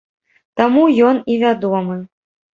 Таму ён і вядомы.